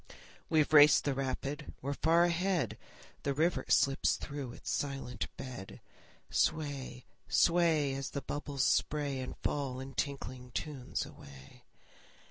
We've raced the rapid, we're far ahead! The river slips through its silent bed. Sway, sway, As the bubbles spray And fall in tinkling tunes away.